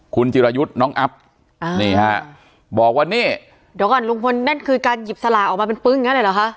คุณจิรายุทธ์น้องอัพนี่ฮะบอกว่านี่เดี๋ยวก่อนลุงพลนั่นคือการหยิบสลากออกมาเป็นปึ้งงั้นเลยเหรอคะ